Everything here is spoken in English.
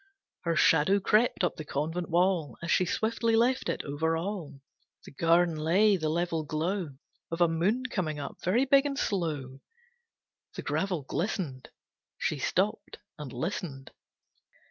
Her shadow crept up the convent wall As she swiftly left it, over all The garden lay the level glow Of a moon coming up, very big and slow. The gravel glistened. She stopped and listened.